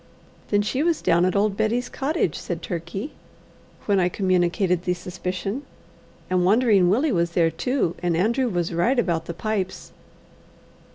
"Then she was down at old Betty's cottage," said Turkey, when I communicated the suspicion, "and Wandering Willie was there too, and Andrew was right about the pipes.